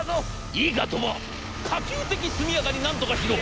『いいか鳥羽可及的速やかになんとかしろ！